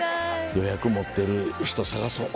予約持ってる人探そう。